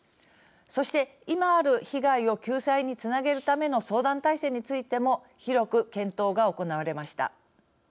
そして、今ある被害を救済につなげるための相談体制についても広く検討が行われました。